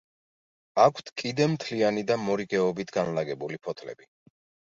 აქვთ კიდემთლიანი და მორიგეობით განლაგებული ფოთლები.